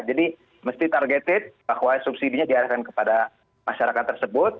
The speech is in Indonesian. jadi mesti targeted bahwa subsidi nya diarahkan kepada masyarakat tersebut